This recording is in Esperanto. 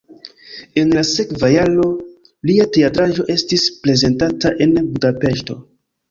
En la sekva jaro lia teatraĵo estis prezentata en Budapeŝto.